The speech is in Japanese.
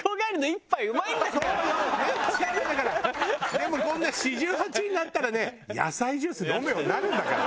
でもこんな４８になったらね野菜ジュース飲むようになるんだから。